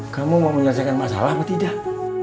kamu mau menyelesaikan masalah apa tidak